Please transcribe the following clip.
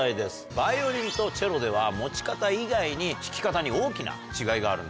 バイオリンとチェロでは持ち方以外に弾き方に大きな違いがあるんだそうです。